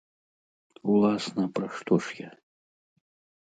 Уласна, пра што ж я?